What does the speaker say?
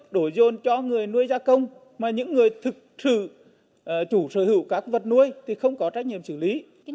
đổi dồn cho người nuôi gia công mà những người thực sự chủ sở hữu các vật nuôi thì không có trách nhiệm xử lý